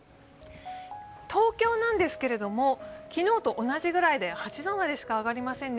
東京ですけれども、昨日と同じくらいで８度までしか上がりませんね。